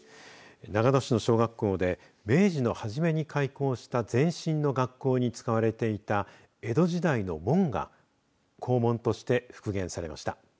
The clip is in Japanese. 長野市の小学校で明治の初めに開校した前身の学校で使われいた江戸時代の門が校門として復元されました。